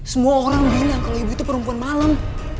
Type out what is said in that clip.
semua orang bilang kalau ibu itu perempuan malam